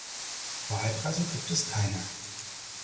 Wahlkreise gibt es keine.